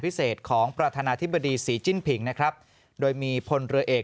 พิเศษของประธานาธิบดีศรีจิ้นผิงนะครับโดยมีพลเรือเอก